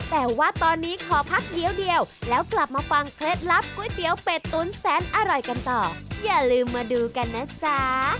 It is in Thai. แต่ว่าตอนนี้ขอพักเดี๋ยวแล้วกลับมาฟังเคล็ดลับก๋วยเตี๋ยวเป็ดตุ๋นแสนอร่อยกันต่ออย่าลืมมาดูกันนะจ๊ะ